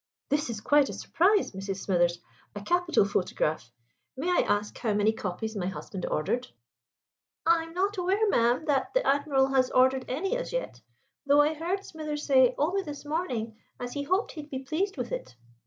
"This is quite a surprise, Mrs. Smithers. A capital photograph! May I ask how many copies my husband ordered?" "I'm not aware, ma'am, that the Admiral has ordered any as yet; though I heard Smithers say only this morning as he hoped he'd be pleased with it."